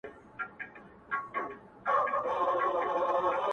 مخ به در واړوم خو نه پوهېږم.